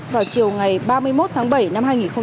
vào chiều ngày ba mươi một tháng bảy năm hai nghìn một mươi sáu